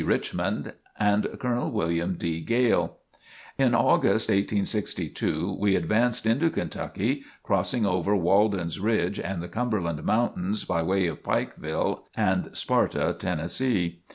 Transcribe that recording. Richmond and Colonel William D. Gale. In August 1862 we advanced into Kentucky, crossing over Walden's Ridge and the Cumberland Mountains by way of Pikeville and Sparta, Tennessee.